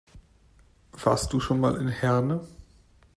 Warst du schon mal in Herne?